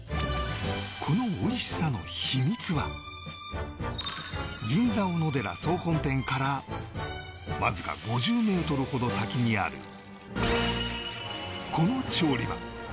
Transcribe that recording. この銀座おのでら総本店からわずか５０メートルほど先にあるこの調理場